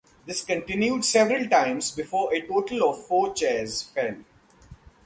This continued several times before a total of four chairs fell.